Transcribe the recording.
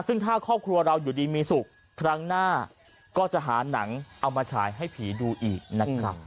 ซึ่งถ้าครอบครัวเราอยู่ดีมีสุขครั้งหน้าก็จะหาหนังเอามาฉายให้ผีดูอีกนะครับ